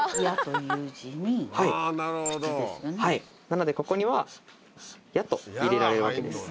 なのでここには「矢」と入れられるわけです。